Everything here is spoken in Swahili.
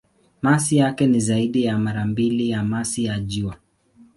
Masi yake ni zaidi ya mara mbili ya masi ya Jua.